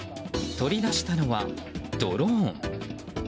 取り出したのは、ドローン。